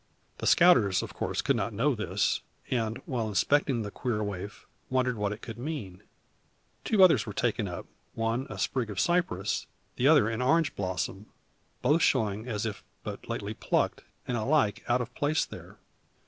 The scouters, of course, could not know of this; and, while inspecting the queer waif, wondering what it could mean, two others were taken up: one a sprig of cypress, the other an orange blossom; both showing as if but lately plucked, and alike out of place there.